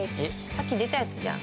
さっき出たやつじゃん。